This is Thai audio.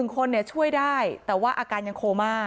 ๑คนช่วยได้แต่ว่าอาการยังโคม่า